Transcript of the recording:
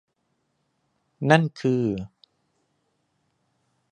นั่นคือ